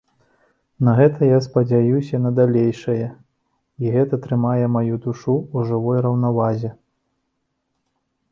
На гэта я спадзяюся на далейшае і гэта трымае маю душу ў жывой раўнавазе.